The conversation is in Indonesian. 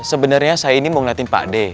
sebenarnya saya ini mau ngeliatin pak d